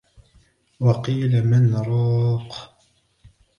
وَقِيلَ مَنْ رَاقٍ